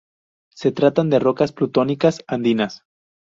Se tratan de rocas plutónicas andinas.